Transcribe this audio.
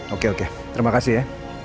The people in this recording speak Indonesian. oke oke terima kasih ya